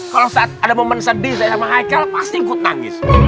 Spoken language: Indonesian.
kalau saat ada momen sedih saya sama michael pasti ikut nangis